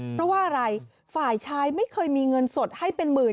เพราะว่าอะไรฝ่ายชายไม่เคยมีเงินสดให้เป็นหมื่น